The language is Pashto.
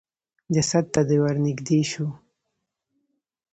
جسد د ته ورنېږدې شو.